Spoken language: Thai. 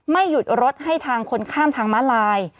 หยุดรถให้ทางคนข้ามทางม้าลาย